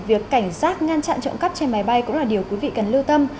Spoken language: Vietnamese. việc cảnh sát ngăn chặn trộm cắt trên máy bay cũng là điều quý vị cần lưu tâm